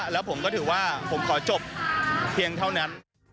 แล้วผมก็ถือว่าผมขอจบเพียงเท่านั้น